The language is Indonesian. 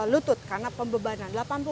lutut karena pembebanan